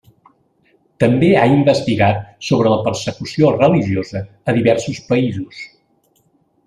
També ha investigat sobre la persecució religiosa a diversos països.